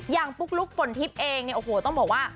ปุ๊กลุ๊กฝนทิพย์เองเนี่ยโอ้โหต้องบอกว่า